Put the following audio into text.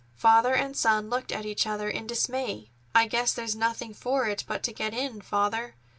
Father and son looked at each other in dismay. "I guess there's nothing for it but to get in, Father.